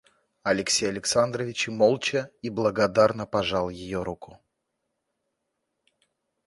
Алексей Александрович молча и благодарно пожал ее руку.